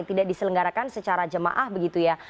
tidak diselenggarakan secara jemaah begitu ya